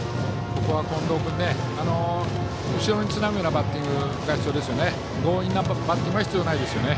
ここは近藤君後ろにつなぐようなバッティングが必要ですよね。